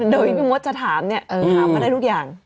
โดยที่พี่มดจะถามเนี่ยถามมาได้ทุกอย่าง